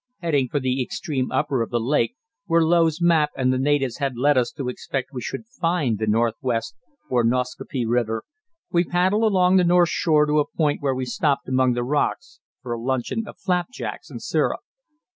Heading for the extreme upper of the lake, where Low's map and the natives had led us to expect we should find the Northwest or Nascaupee River, we paddled along the north shore to a point where we stopped among the rocks for a luncheon of flapjacks and syrup.